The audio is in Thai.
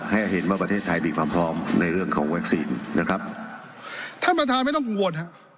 ให้เห็นว่าประเทศไทยมีความพร้อมในเรื่องของวัคซีนนะครับท่านประธานไม่ต้องกังวลฮะ